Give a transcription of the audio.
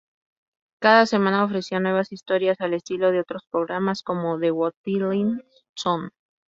Cada semana ofrecía nuevas historias al estilo de otros programas como "The Twilight Zone".